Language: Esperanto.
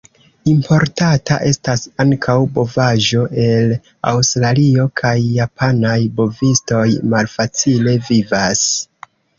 Importata estas ankaŭ bovaĵo el Aŭstralio, kaj japanaj bovistoj malfacile vivas.